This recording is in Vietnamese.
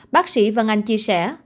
bác sĩ vân anh chia sẻ